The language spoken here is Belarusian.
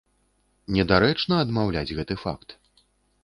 Недарэчна адмаўляць гэты факт.